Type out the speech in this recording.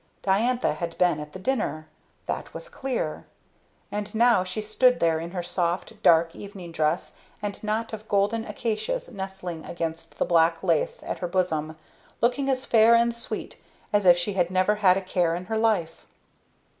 Diantha had been at the dinner that was clear. And now she stood there in her soft, dark evening dress, the knot of golden acacias nestling against the black lace at her bosom, looking as fair and sweet as if she had never had a care in her life.